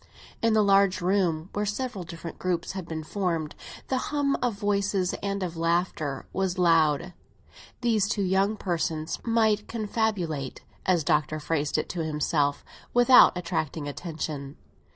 In the large room, where several different groups had been formed, and the hum of voices and of laughter was loud, these two young persons might confabulate, as the Doctor phrased it to himself, without attracting attention.